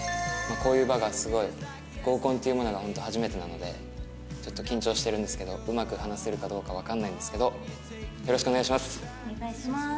こういう場がすごい合コンというものがホント初めてなのでちょっと緊張してるんですけどうまく話せるかどうかわからないんですけどよろしくお願いします。